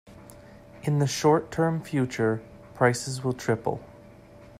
In the short term future, prices will triple.